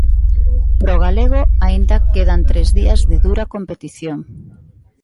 Pro galego aínda quedan tres días de dura competición.